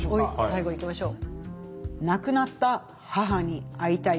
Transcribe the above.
最後いきましょう。